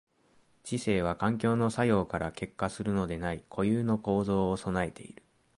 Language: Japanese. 知性は環境の作用から結果するのでない固有の構造を具えている。